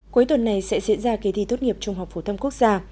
cuối tuần này sẽ diễn ra kỳ thi tốt nghiệp trung học phổ thông quốc gia